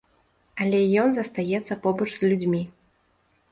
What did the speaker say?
Але ён застаецца побач з людзьмі.